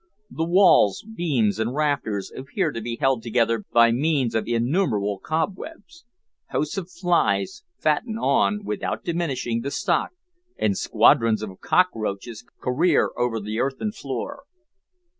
The walls, beams, and rafters, appear to be held together by means of innumerable cobwebs. Hosts of flies fatten on, without diminishing, the stock, and squadrons of cockroaches career over the earthen floor.